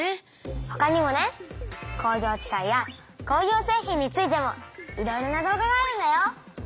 ほかにもね工業地帯や工業製品についてもいろいろな動画があるんだよ。